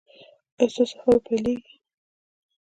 ایا ستاسو سفر به پیلیږي؟